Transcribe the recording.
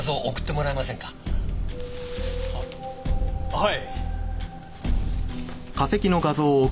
はい。